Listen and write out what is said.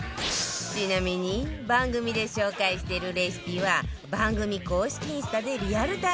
ちなみに番組で紹介しているレシピは番組公式インスタでリアルタイムに更新中